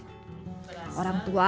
sebagai sebuah peran yang sangat penting